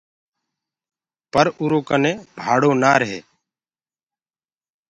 پر اُرو ڪني ڀآڙو نآ رهي۔